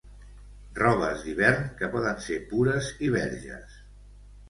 Robes d'hivern que poden ser pures i verges.